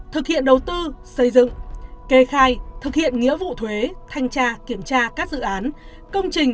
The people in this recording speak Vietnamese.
thực hiện đầu tư xây dựng kê khai thực hiện nghĩa vụ thuế thanh tra kiểm tra các dự án công trình